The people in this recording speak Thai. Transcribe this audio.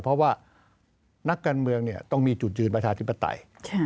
เพราะว่านักการเมืองต้องมีจุดยืนประชาธิปไตย